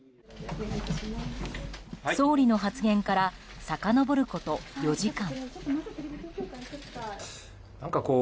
総理の発言からさかのぼること４時間。